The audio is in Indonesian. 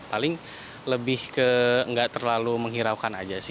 paling lebih ke nggak terlalu menghiraukan aja sih